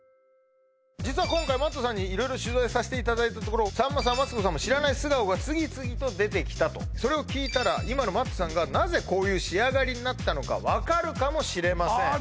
実は今回Ｍａｔｔさんにいろいろ取材させていただいたところさんまさんマツコさんも知らない素顔が次々と出てきたとそれを聞いたら今のＭａｔｔさんがなぜこういう仕上がりになったのかわかるかもしれませんあ